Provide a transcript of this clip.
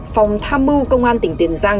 phòng tham mưu công an tỉnh tiền giang